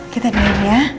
kita denger ya